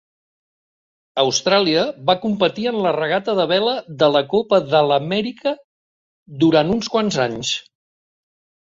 Austràlia va competir en la regata de vela de la Copa de l'Amèrica durant uns quants anys.